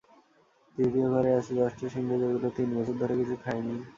তৃতীয় ঘরে আছে দশটা সিংহ, যেগুলো তিন বছর ধরে কিছু খায়নি।